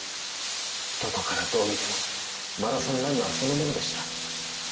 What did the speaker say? どこからどう見てもマラソンランナーそのものでした。